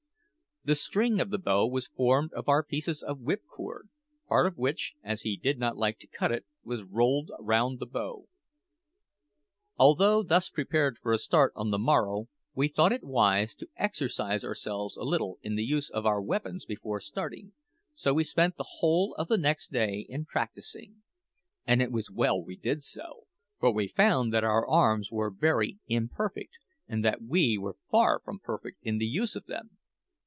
The string of the bow was formed of our piece of whip cord, part of which, as he did not like to cut it, was rolled round the bow. Although thus prepared for a start on the morrow we thought it wise to exercise ourselves a little in the use of our weapons before starting, so we spent the whole of the next day in practising. And it was well we did so, for we found that our arms were very imperfect, and that we were far from perfect in the use of them.